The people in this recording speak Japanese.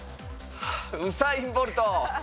ウサイン・ボルト。